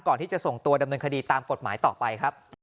ก่อนที่จะส่งตัวดำเนินคดีตามกฎหมายต่อไปครับ